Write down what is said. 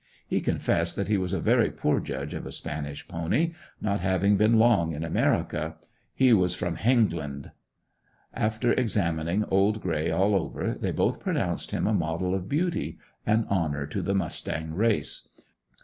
He confessed that he was a very poor judge of a spanish pony, not having been long in America. He was from "Hengland." After examining old gray all over they both pronounced him a model of beauty an honor to the mustang race.